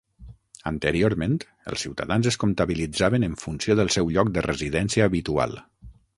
Anteriorment, els ciutadans es comptabilitzaven en funció del seu lloc de residència habitual.